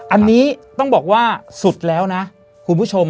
อันนี้ต้องบอกว่าสุดแล้วนะคุณผู้ชม